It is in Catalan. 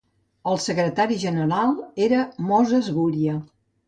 El secretari general era Moses Guria.